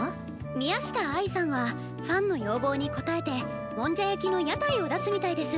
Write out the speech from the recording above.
宮下愛さんはファンの要望に応えてもんじゃ焼きの屋台を出すみたいです。